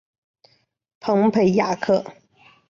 蓬佩雅克。